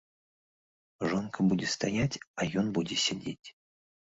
Жонка будзе стаяць, а ён будзе сядзець.